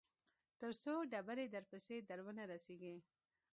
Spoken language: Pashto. تر څو ډبرې درپسې در ونه رسېږي.